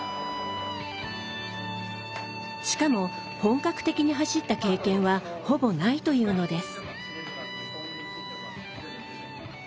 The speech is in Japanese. しかも本格的に走った経験はほぼないというのです。